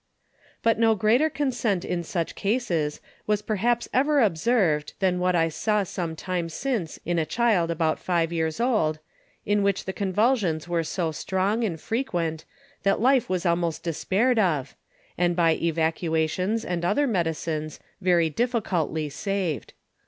But no greater Consent in such Cases was perhaps ever Observed than what I saw some time since in a Child about 5 years old, in which the Convulsions were so strong and frequent, that life was almost despair'd of, and by Evacuations and other Medicines very difficultly saved.